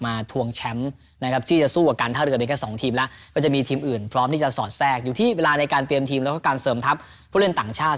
มันก็คงจะสูงขึ้นแน่นอนเพราะว่าหลายทีมผมดูใน